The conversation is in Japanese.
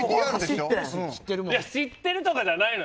知ってるとかではないの。